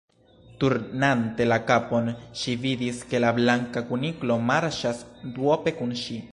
Turnante la kapon, ŝi vidis ke la Blanka Kuniklo marŝas duope kun ŝi.